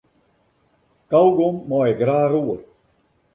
Kaugom mei ik graach oer.